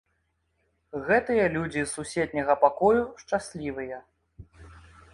Гэтыя людзі з суседняга пакою шчаслівыя.